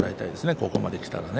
ここまできたらね。